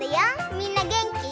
みんなげんき？